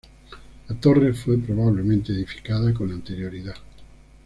La torre fue probablemente edificada con anterioridad.